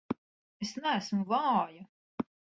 Es neesmu vāja!